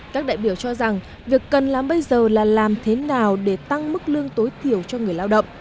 các đại biểu cho rằng việc cần làm bây giờ là làm thế nào để tăng mức lương tối thiểu cho người lao động